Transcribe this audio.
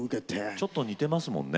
ちょっと似てますもんね。